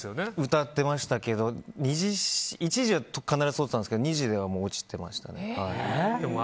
歌ってましたけど１次は必ず通ってたんですけど２次では落ちてましたね。